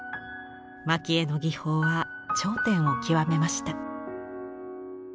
蒔絵の技法は頂点を極めました。